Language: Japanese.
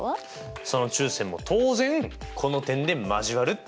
その中線も当然この点で交わるっていうことですね。